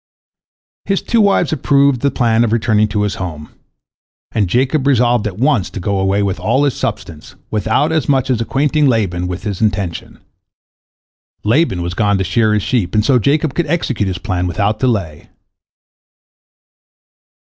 His two wives approved the plan of returning to his home, and Jacob resolved at once to go away with all his substance, without as much as acquainting Laban with his intention. Laban was gone to shear his sheep, and so Jacob could execute his plan without delay.